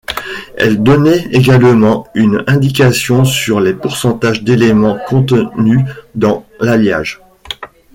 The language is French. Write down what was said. Elle donnait également une indication sur les pourcentages d'éléments contenu dans l'alliage.